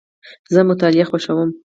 زه مطالعه خوښوم.